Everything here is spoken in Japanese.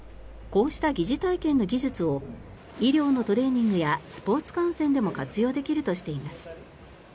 こうした疑似体験の技術を医療のトレーニングやスポーツ観戦でも活用できるとしています。